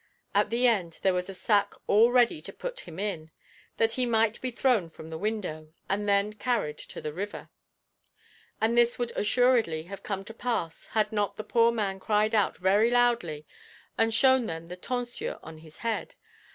At the end there was a sack all ready to put him in, that he might be thrown from the window, and then carried to the river; and this would assuredly have come to pass had not the poor man cried out very loudly and shown them the tonsure on his head.